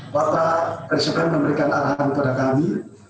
bapak presiden memberikan arahan kepada kami